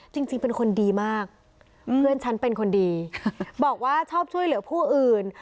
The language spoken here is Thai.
จริงเป็นคนดีมากเพื่อนฉันเป็นคนดีบอกว่าชอบช่วยเหลือผู้อื่น